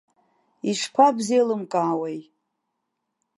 Ишԥабзеилымкаауеи!